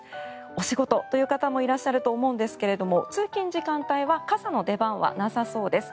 お仕事という方もいらっしゃると思うんですが通勤時間帯は傘の出番はなさそうです。